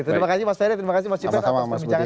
terima kasih mas ferry terima kasih mas yupen